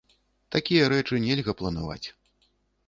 Такія рэчы нельга планаваць.